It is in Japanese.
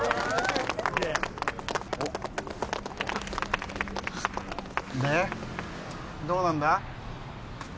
おっあっでどうなんだ？